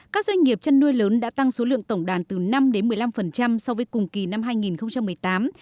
các doanh nghiệp chăn nuôi lớn đã tăng số lượng tổng đàn từ năm một mươi năm so với cùng kỳ năm hai nghìn một mươi tám